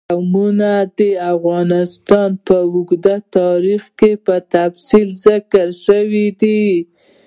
قومونه د افغانستان په اوږده تاریخ کې په تفصیل ذکر شوی دی.